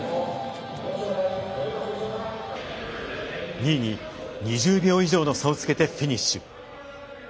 ２位に２０秒以上の差をつけてフィニッシュ。